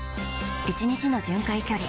１日の巡回距離